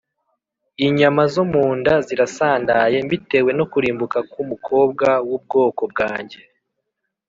Inyama zo mu nda zirasandaye, Mbitewe no kurimbuka k’umukobwa w’ubwoko bwanjye,